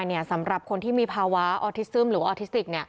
สำหรับคนที่มีภาวะออทิซึมหรือว่าออทิสติก